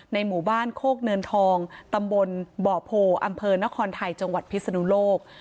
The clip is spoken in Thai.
หมู่บ้านโคกเนินทองตำบลบ่อโพอำเภอนครไทยจังหวัดพิศนุโลก